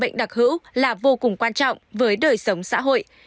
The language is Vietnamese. bệnh đặc hữu là vô cùng quan trọng với đời sống xã hội